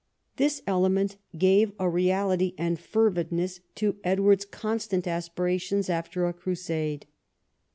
This element gave a reality and fervidness to Edward's constant aspirations after a Crusade.